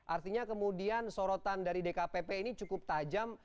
artinya kemudian sorotan dari dkpp ini cukup tajam